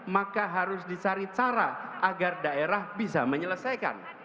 maka harus dicari cara agar daerah bisa menyelesaikan